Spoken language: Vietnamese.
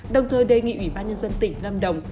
đồng thời đề nghị ủy ban nhân dân tỉnh lâm đồng